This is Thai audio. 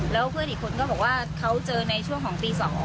แล้วเพื่อนอีกคนก็บอกว่าเขาเจอในช่วงของตี๒